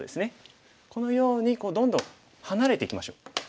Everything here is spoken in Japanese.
このようにどんどん離れていきましょう。